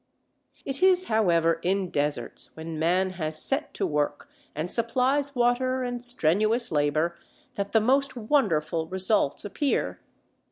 It is, however, in deserts when man has set to work and supplies water and strenuous labour, that the most wonderful results appear.